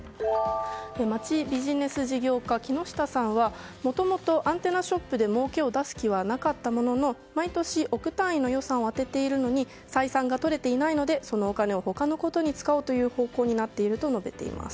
まちビジネス事業家の木下さんはもともとアンテナショップでもうけを出す気はなかったものの毎年、億単位の予算を充てているのに採算が取れていないのでそのお金を他のことに使おうという方向になっていると述べています。